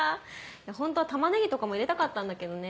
ホントはタマネギとかも入れたかったんだけどね